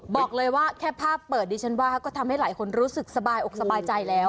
บอกเลยว่าแค่ภาพเปิดดิฉันว่าก็ทำให้หลายคนรู้สึกสบายอกสบายใจแล้ว